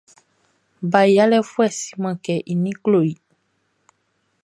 Ba yalɛfuɛʼn siman kɛ i ninʼn klo i.